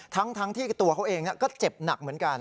ทั้งที่ตัวเขาเองก็เจ็บหนักเหมือนกัน